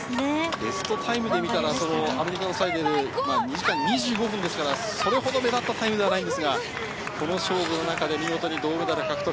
ベストタイムで見たらアメリカのサイデル、２時間２５分ですから、それほど目立ったタイムではないんですが、この勝負の中で見事に銅メダル獲得。